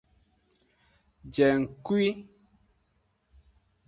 Jengkui.